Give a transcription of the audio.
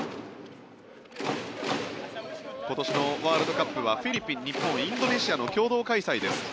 今年のワールドカップはフィリピン、日本インドネシアの共同開催です。